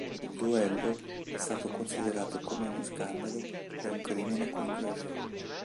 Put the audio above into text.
Il duello è stato considerato come uno scandalo e un crimine contro il re.